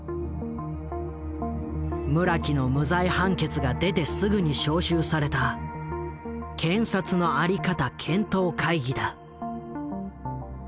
村木の無罪判決が出てすぐに招集された「検察の在り方検討会議」だ。